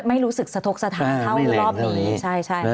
ไม่รู้สึกสะทกสะท้าเท่ารอบนี้